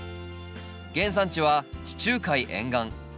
原産地は地中海沿岸。